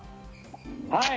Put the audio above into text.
はい。